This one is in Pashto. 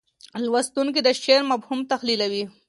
لوستونکي د شعر مفهوم تحلیلوي.